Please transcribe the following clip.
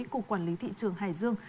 cục quản lý thị trường hải dương